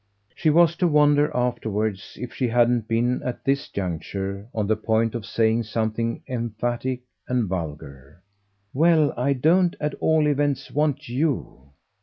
She was to wonder afterwards if she hadn't been at this juncture on the point of saying something emphatic and vulgar "Well, I don't at all events want YOU!"